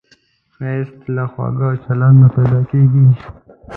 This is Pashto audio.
ښایست له خواږه چلند نه پیدا کېږي